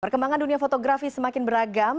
perkembangan dunia fotografi semakin beragam